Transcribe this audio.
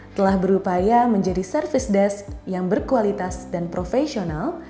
telah berupaya menjadi service desk yang berkualitas dan profesional